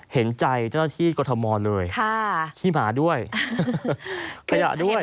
อ๋อเห็นใจจ้าที่กฎมรเลยขี้หมาด้วยขยะด้วย